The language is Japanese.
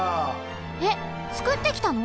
えっつくってきたの？